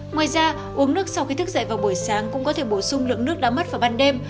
ngoài ra uống nước sau khi thức dậy vào buổi sáng cũng có thể bổ sung lượng nước đã mất vào ban đêm